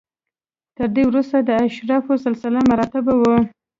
تر ده وروسته د اشرافو سلسله مراتب و.